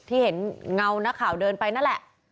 ที่เห็นเงานักข่าวเดินไปนั่นแหละ